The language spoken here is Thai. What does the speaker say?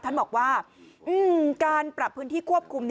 ท่านบอกว่าการปรับพื้นที่ควบคุม